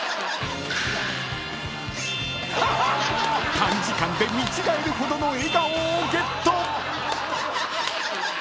［短時間で見違えるほどの笑顔をゲット］